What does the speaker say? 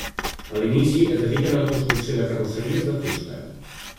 A l'inici, es dediquen a la construcció de carrosseries de fusta.